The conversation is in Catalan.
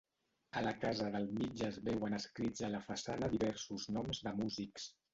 A la casa del mig es veuen escrits a la façana diversos noms de músics.